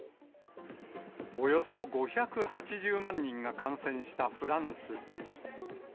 およそ５８０万人が感染したフランス。